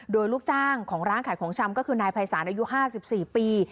โดยลูกจ้างของร้านขายของชำก็คือนายภัยศาลอายุ๕๔ปี